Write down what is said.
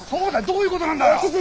どういうことなんだよ！